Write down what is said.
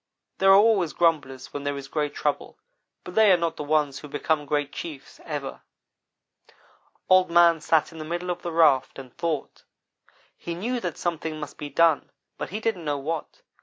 There are always grumblers when there is great trouble, but they are not the ones who become great chiefs ever. "Old man sat in the middle of the raft and thought. He knew that something must be done, but he didn't know what.